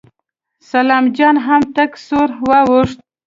سلام جان هم تک سور واوښت.